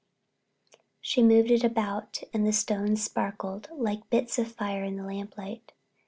She moved it about and the stones sparkled like bits of fire in the lamplight.